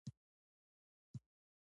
دوی پولیس هم په خپل واک کې لري